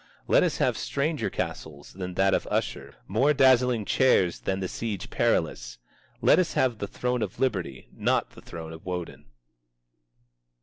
Let us have stranger castles than that of Usher, more dazzling chairs than the Siege Perilous. Let us have the throne of Liberty, not the throne of Wodin.